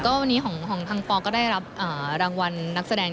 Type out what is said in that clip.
วันนี้ของทางปก็ได้รับรางวัลนักแสดง